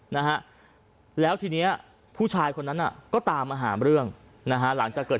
นะฮะแล้วทีเนี้ยผู้ชายคนนั้นน่ะก็ตามมาหาเรื่องนะฮะหลังจากเกิด